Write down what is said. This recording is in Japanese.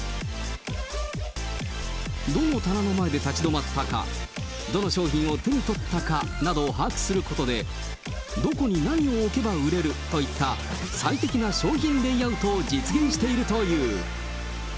どの棚の前で立ち止まったか、どの商品を手に取ったかなどを把握することで、どこに何を置けば売れるといった最適な商品レイアウトを実現しているという。